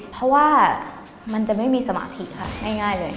เพราะว่ามันจะไม่มีสมาธิค่ะง่ายเลย